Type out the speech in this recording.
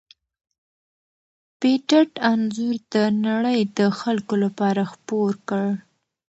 پېټټ انځور د نړۍ د خلکو لپاره خپور کړ.